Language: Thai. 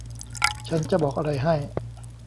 ฉันจะบอกอะไรให้